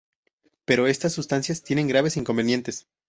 Pero estas sustancias tienen graves inconvenientes.